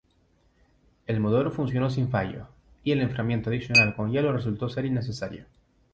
El motor funcionó sin fallos, y el enfriamiento adicional con hielo resultó ser innecesario.